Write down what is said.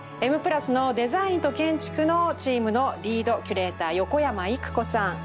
「Ｍ＋」のデザインと建築のチームのリードキュレーター横山いくこさん。